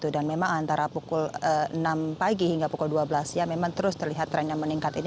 dan memang antara pukul enam pagi hingga pukul dua belas ya memang terus terlihat tren yang meningkat ini